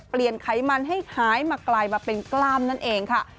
ไขมันให้หายมาไกลมาเป็นกล้ามนั่นเองค่ะ